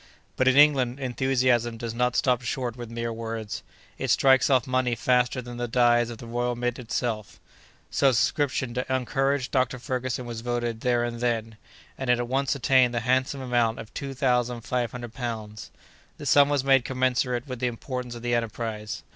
But, in England, enthusiasm does not stop short with mere words. It strikes off money faster than the dies of the Royal Mint itself. So a subscription to encourage Dr. Ferguson was voted there and then, and it at once attained the handsome amount of two thousand five hundred pounds. The sum was made commensurate with the importance of the enterprise.